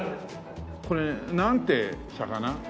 これなんて魚？